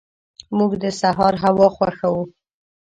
موږ د سهار هوا خوښو.